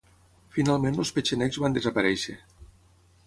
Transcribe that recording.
Finalment els petxenegs van desaparèixer.